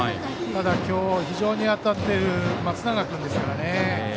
ただ、今日、非常に当たっている松永君ですからね。